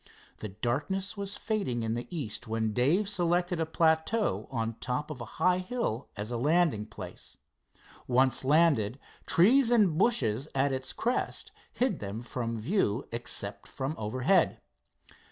The darkness was fading in the east when Dave selected a plateau on the top of a high hill as a landing place. Once landed, trees and bushes at its crest hid them from view except from overhead.